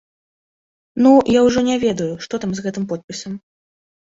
Ну, я ўжо не ведаю, што там з гэтым подпісам.